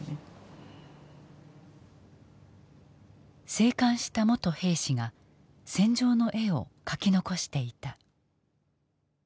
生還した元兵士が戦場の絵を描き残していた。